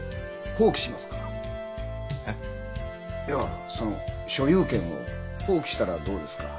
いやその所有権を放棄したらどうですか？